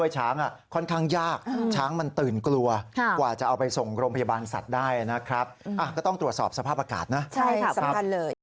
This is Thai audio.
ใช่ครับสำคัญเลย